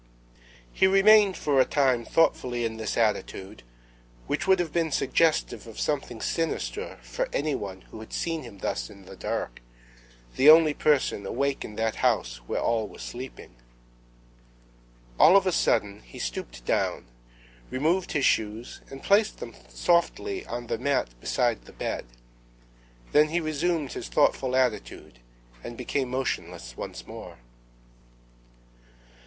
He remained for a time thoughtfully in this attitude, which would have been suggestive of something sinister for any one who had seen him thus in the dark, the only person awake in that house where all were sleeping. All of a sudden he stooped down, removed his shoes and placed them softly on the mat beside the bed; then he resumed his thoughtful attitude, and became motionless once more.